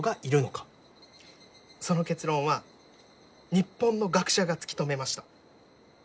その結論は日本の学者が突き止めました。